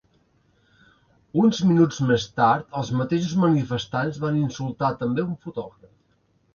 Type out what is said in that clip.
Uns minuts més tard els mateixos manifestants van insultar també un fotògraf.